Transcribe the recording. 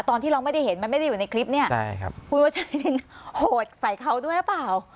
ตอนที่เราไม่ได้เห็นมันไม่ได้อยู่ในคลิปเนี่ยพูดว่าใช้ดินโหดใส่เขาด้วยหรือเปล่า